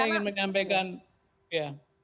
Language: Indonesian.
saya ingin menyampaikan ya